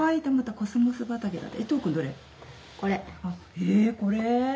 えこれ？